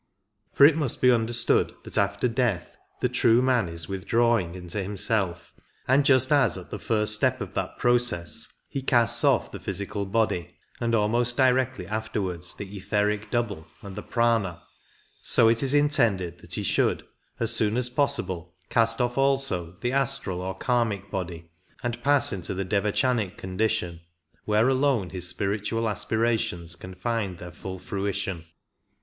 For it must be understood that after death the true man is withdrawing into himself, and just as at the first step of that process he casts off the physi cal body, and almost directly afterwards the etheric double and the Prana, so it is intended that he should as soon as 26 possible cast off also the astral or kamic body, and pass into the devachanic condition, where alone his spiritual aspirations can find their full fruition.